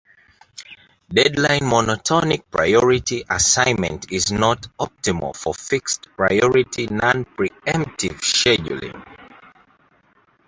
Deadline monotonic priority assignment is not optimal for fixed priority non-pre-emptive scheduling.